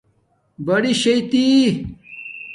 بڑئ شیتی